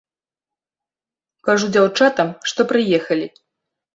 Кажу дзяўчатам, што прыехалі.